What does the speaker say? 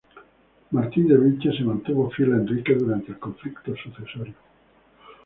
Martín de Vilches se mantuvo fiel a Enrique durante el conflicto sucesorio.